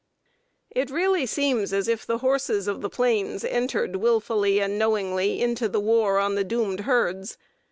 It really seems as if the horses of the plains entered willfully and knowingly into the war on the doomed herds.